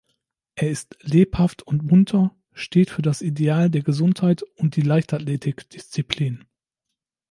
Er ist lebhaft und munter, steht für das Ideal der Gesundheit und die Leichtathletikdisziplinen.